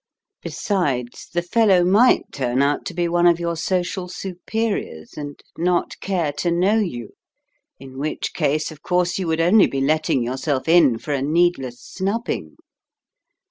Besides, the fellow might turn out to be one of your social superiors, and not care to know you; in which case, of course, you would only be letting yourself in for a needless snubbing.